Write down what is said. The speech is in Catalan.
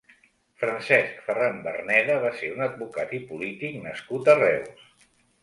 Francesc Ferran Verneda va ser un advocat i polític nascut a Reus.